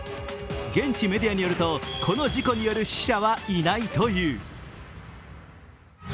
現地メディアによるとこの事故による死者はいないという。